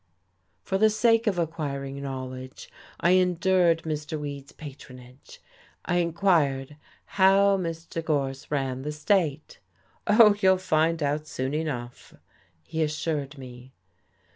For the sake of acquiring knowledge, I endured Mr. Weed's patronage. I inquired how Mr. Gorse ran the state. "Oh, you'll find out soon enough," he assured me.